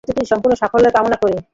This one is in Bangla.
পত্রিকাটির সম্পূর্ণ সাফল্য কামনা করি।